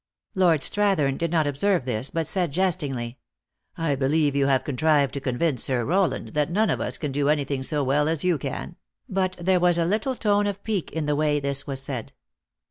Lord Strathern did not observe this, but said, jestingly: "I believe you have con trived to convince Sir Rowland that none of us can do any thing so well as you can," but there was a little tone of pique in the way this was said.